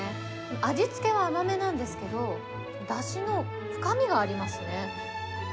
味付けは甘めなんですけど、だしの深みがありますね。